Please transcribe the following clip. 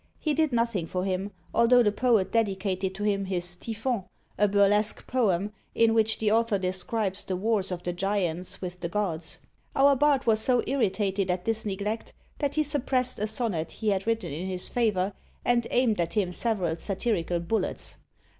He did nothing for him, although the poet dedicated to him his Typhon, a burlesque poem, in which the author describes the wars of the giants with the gods. Our bard was so irritated at this neglect, that he suppressed a sonnet he had written in his favour, and aimed at him several satirical bullets.